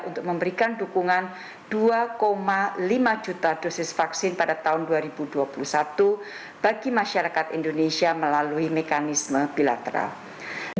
untuk memberikan dukungan dua lima juta dosis vaksin pada tahun dua ribu dua puluh satu bagi masyarakat indonesia melalui mekanisme bilateral